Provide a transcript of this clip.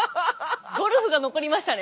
ゴルフが残りましたね